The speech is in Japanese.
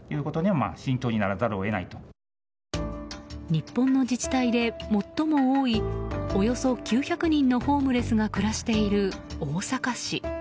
日本の自治体で最も多いおよそ９００人のホームレスが暮らしている大阪市。